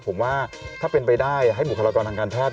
ผมว่าถ้าเป็นไปได้ให้บุคลากรทางการแพทย์